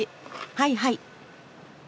はいはい。